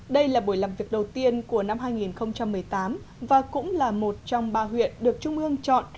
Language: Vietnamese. đây là buổi làm việc đầu tiên của năm hai nghìn một mươi tám và cũng là một trong ba huyện được trung ương chọn